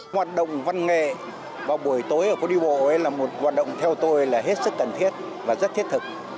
hoạt động văn nghệ vào buổi tối ở phố đi bộ là một hoạt động theo tôi là hết sức cần thiết và rất thiết thực